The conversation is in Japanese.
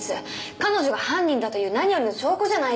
彼女が犯人だという何よりの証拠じゃないですか。